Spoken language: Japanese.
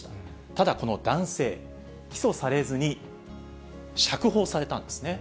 ただこの男性、起訴されずに釈放されたんですね。